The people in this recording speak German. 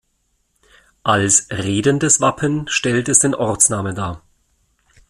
Als redendes Wappen stellt es den Ortsnamen dar.